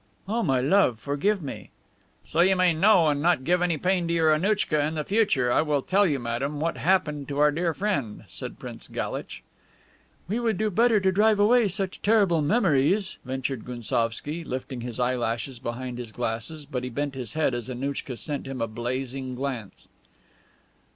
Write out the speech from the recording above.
"Oh, my love, forgive me!" "So you may know and not give any pain to your Annouchka in the future, I will tell you, madame, what happened to our dear friend," said Prince Galitch. "We would do better to drive away such terrible memories," ventured Gounsovski, lifting his eyelashes behind his glasses, but he bent his head as Annouchka sent him a blazing glance.